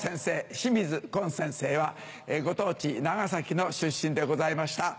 清水崑先生はご当地長崎の出身でございました。